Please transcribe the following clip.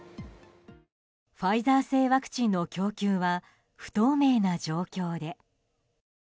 ファイザー製ワクチンの供給は不透明な状況で。